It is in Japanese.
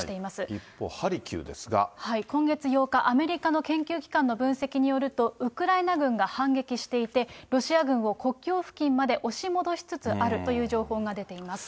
一方、今月８日、アメリカの研究機関の分析によると、ウクライナ軍が反撃していて、ロシア軍を国境付近まで押し戻しつつあるという情報が出ています。